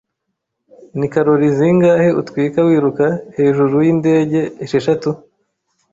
Ni kalori zingahe utwika wiruka hejuru yindege esheshatu?